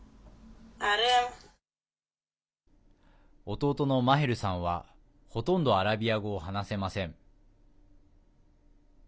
弟のマヘルさんはほとんどアラビア語を話せません。